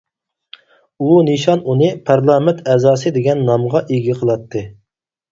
ئۇ نىشان ئۇنى پارلامېنت ئەزاسى دېگەن نامغا ئىگە قىلاتتى.